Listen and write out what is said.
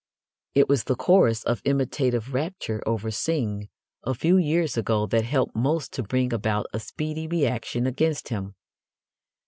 It was the chorus of imitative rapture over Synge a few years ago that helped most to bring about a speedy reaction against him.